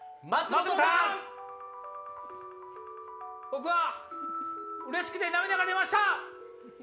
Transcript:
僕はうれしくて涙が出ました。